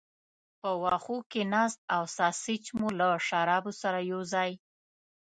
په وښو کې ناست او ساسیج مو له شرابو سره یو ځای.